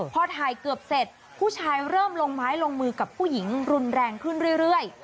พอถ่ายเกือบเสร็จผู้ชายเริ่มลงไม้ลงมือกับผู้หญิงรุนแรงขึ้นเรื่อย